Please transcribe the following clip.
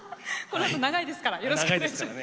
このあと長いですからよろしくお願いします。